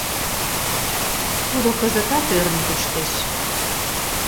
Тудо кызытат ӧрын коштеш: